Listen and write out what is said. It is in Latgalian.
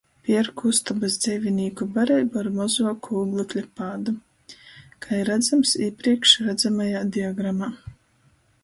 Pierku ustobys dzeivinīku bareibu ar mozuoku ūglekļa pādu. Kai radzams īprīkš radzamajā diagramā.